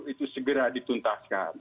itu segera dituntaskan